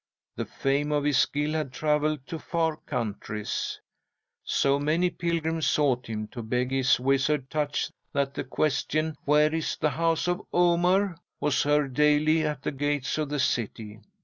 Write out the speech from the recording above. The fame of his skill had travelled to far countries. So many pilgrims sought him to beg his wizard touch that the question, "Where is the house of Omar?" was heard daily at the gates of the city.